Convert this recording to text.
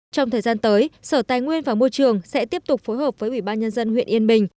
trong thời gian tới sở tài nguyên và môi trường sẽ tiếp tục phối hợp với ubnd huyện yên bình